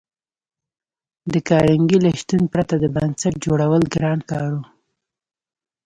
د کارنګي له شتون پرته د بنسټ جوړول ګران کار و